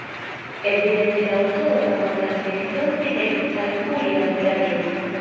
Evidente la aŭtoro kapablas nek nombri nek kalkuli averaĝojn.